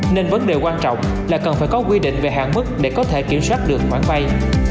nên vấn đề quan trọng là cần phải có quy định về hạn mức để có thể kiểm soát được khoản vay